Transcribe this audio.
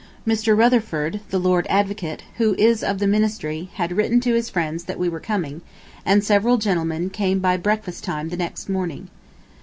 Mr. Rutherford, the Lord Advocate, who is of the Ministry, had written to his friends that we were coming, and several gentlemen came by breakfast time the next morning.